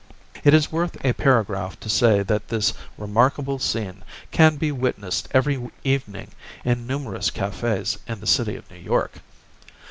It is worth a paragraph to say that this remarkable scene can be witnessed every evening in numerous cafés in the City of New York.